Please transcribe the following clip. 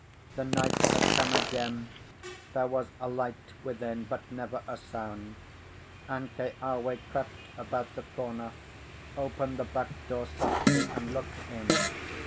The night had come again; there was a light within, but never a sound; and Keawe crept about the corner, opened the back door softly, and looked in.